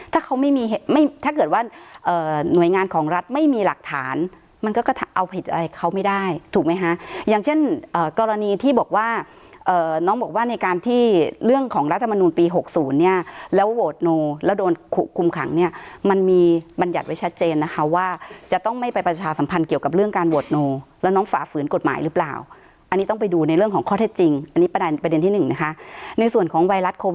ถ้าเขาไม่มีเหตุไม่ถ้าเกิดว่าหน่วยงานของรัฐไม่มีหลักฐานมันก็เอาผิดอะไรเขาไม่ได้ถูกไหมฮะอย่างเช่นกรณีที่บอกว่าน้องบอกว่าในการที่เรื่องของรัฐธรรมนูลปี๖๐เนี่ยแล้วโหวตโนแล้วโดนคุมขังเนี่ยมันมีบรรยัติไว้ชัดเจนนะคะว่าจะต้องไม่ไปประชาสัมพันธ์เกี่ยวกับเรื่องการโหวตโนแล้วน้อง